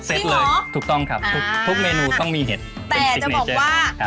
จริงเหรอถูกต้องครับทุกเมนูต้องมีเห็ดเป็นสิกเนเจอร์แต่จะบอกว่า